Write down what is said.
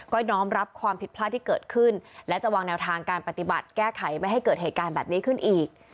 ก็น้อมรับความผิดพลาดที่เกิดขึ้นและจะวางแนวทางการปฏิบัติแก้ไขไม่ให้เกิดเหตุการณ์แบบนี้ขึ้นอีก